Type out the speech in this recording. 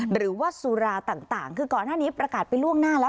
หรือว่าสุราต่างคือก่อนหน้านี้ประกาศไปล่วงหน้าแล้ว